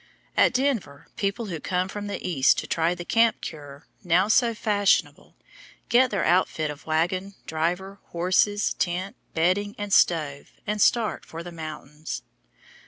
At Denver, people who come from the East to try the "camp cure" now so fashionable, get their outfit of wagon, driver, horses, tent, bedding, and stove, and start for the mountains.